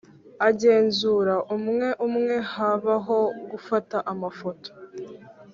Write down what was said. igenzura umwe umwe habaho gufata amafoto